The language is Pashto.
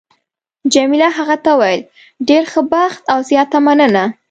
جميله هغه ته وویل: ډېر ښه بخت او زیاته مننه.